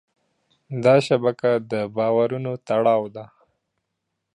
دا شبکه د باورونو تړاو دی.